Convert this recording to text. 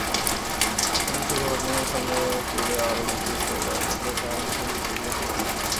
আসন্ন শুভঘটনার সম্ভাবনা সূর্যোদয়ের পূর্বে অরুণরশ্মিচ্ছটার মতো তাহার মুখে দীপ্তিবিকাশ করে নাই তো!